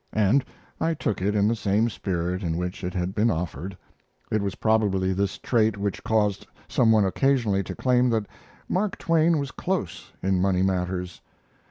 And I took it in the same spirit in which it had been offered. It was probably this trait which caused some one occasionally to claim that Mark Twain was close in money matters.